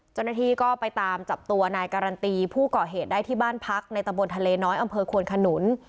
เจ้าหน้าที่ก็ไปตามจับตัวนายการันตีผู้ก่อเหตุได้ที่บ้านพักในตะบนทะเลน้อยอำเภอควนขนุน